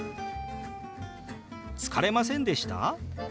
「疲れませんでした？」。